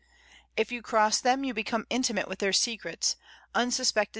If you cross them you become intimate with their secrets, unsuspected IN A GIG.